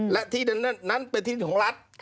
และที่นั้นเป็นที่ดินของรัฐ